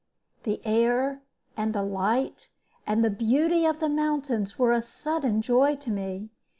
The air, and the light, and the beauty of the mountains were a sudden joy to me.